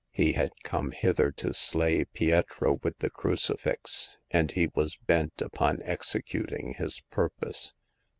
He had come hither to slay Pietro with the crucifix, and he was bent upon executing his purpose.